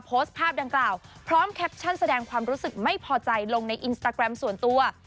โพสต์ภาพดังกล่าวพร้อมแคปชั่นแสดงความรู้สึกไม่พอใจลงในอินสตาแกรมส่วนตัว